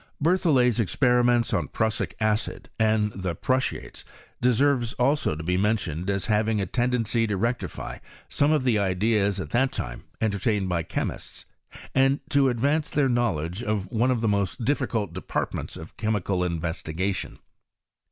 Berthollet'a experiments on prussic acid and the prussiates deserve also to he mentioned, as having a tendency to rectify some of the ideas at that time entertained by chemists, and to advance their know ledge of one of the most difficult departments of chemical investigation.